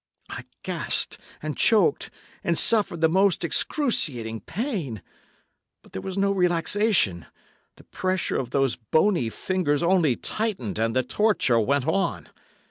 I gasped, and choked, and suffered the most excruciating pain. But there was no relaxation—the pressure of those bony fingers only tightened and the torture went on.